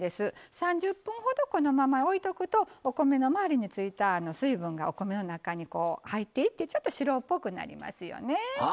３０分ほど、このまま置いとくとお米のまわりについた水分が、お米の中に入っていってちょっと白っぽくなりますね。